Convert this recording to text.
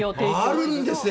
あるんですね。